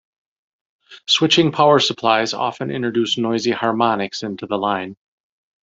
Switching power supplies often introduce noisy harmonics into the line.